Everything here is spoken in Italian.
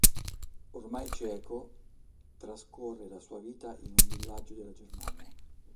Ormai cieco, trascorre la sua vita in un villaggio della Germania.